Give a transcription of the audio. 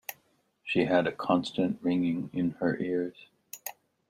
She had a constant ringing in her ears.